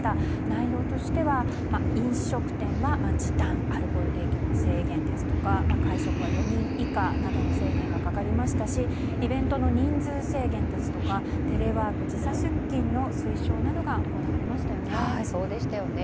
内容としては、飲食店は時短やアルコール提供の制限ですとか会食は４人以下などの制限がかかりましたしイベントの人数制限ですとかテレワーク時差出勤の推奨などがそうでしたよね。